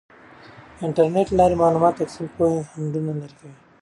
د انټرنیټ له لارې د معلوماتو تقسیم د پوهې خنډونه لرې کوي.